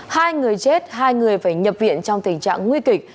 hai người chết hai người phải nhập viện trong tình trạng nguy kịch